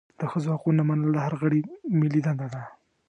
د ښځو حقونه منل د هر غړي ملي دنده ده.